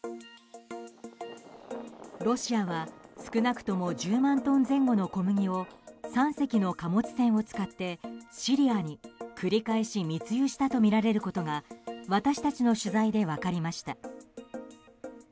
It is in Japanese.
ロシアは少なくとも１０万トン前後の小麦を３隻の貨物船を使ってシリアに、繰り返し密輸したとみられることが私たちの取材で分かりました。